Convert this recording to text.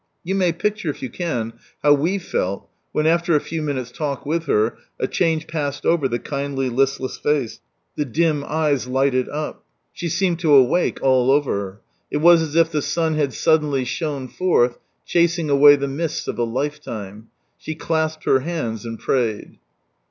You may picture, if j'ou can, how we fell when, after a few minutes' talk with her, a change passed over the kindly lisUess face, the dim eyes lighted up. She seemed to awake all over. It was as if the sun had suddenly shone forth, chasing away the mists of a life time; she clasped her hands, and prayed.